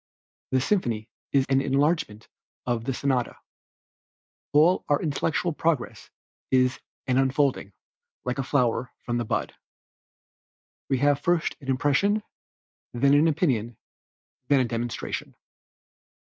The symphony is an enlargement of the sonata. All our intellectual progress is an unfolding, like a flower from the bud. We have first an impression, then an opinion, then demonstration.